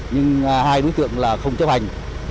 nhưng hai đối tượng không chấp hành